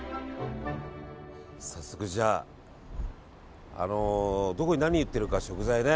早速じゃあどこに何売ってるか食材ね。